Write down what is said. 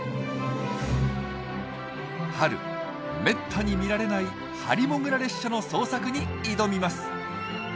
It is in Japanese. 春めったに見られないハリモグラ列車の捜索に挑みます。